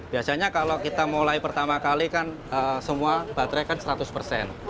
biasanya kalau kita mulai pertama kali kan semua baterai kan seratus persen